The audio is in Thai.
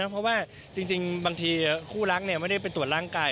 เพราะว่าจริงบางทีคู่รักไม่ได้ไปตรวจร่างกาย